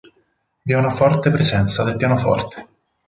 Vi è una forte presenza del pianoforte.